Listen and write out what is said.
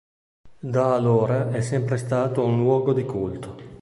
Da allora è sempre stato un luogo di culto.